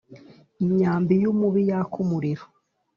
imyambi y umubi yaka umuriro